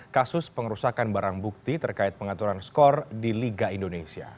kasus pengerusakan barang bukti terkait pengaturan skor di liga indonesia